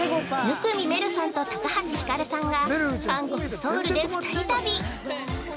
◆生見めるさんと高橋ひかるさんが韓国ソウルで２人旅。